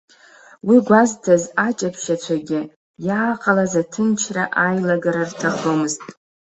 Уи гәазҭаз аҷаԥшьацәагьы иааҟалаз аҭынчра аилагара рҭахымызт.